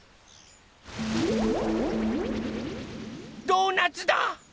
ドーナツだ！